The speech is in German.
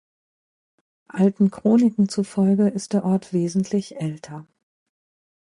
Alten Chroniken zufolge ist der Ort wesentlich älter.